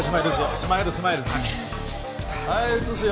スマイルスマイルはい移すよ